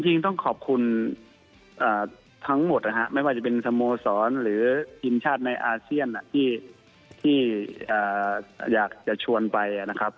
จริงต้องขอบคุณทั้งหมดนะฮะไม่ว่าจะเป็นสโมสรหรือทีมชาติในอาเซียนที่อยากจะชวนไปนะครับ